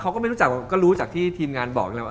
เขาก็ไม่รู้จักลูกธรรมดิก็รู้จักที่ทีมงานบอก